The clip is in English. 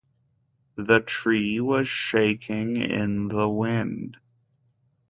The tree was shaking in the wind